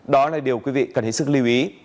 đó là điều quý vị cần hết sức lưu ý